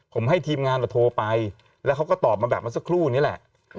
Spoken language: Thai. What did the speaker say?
ผมให้ทีมงานโทรไปแล้วเขาก็ตอบมาแบบเมื่อสักครู่นี้แหละ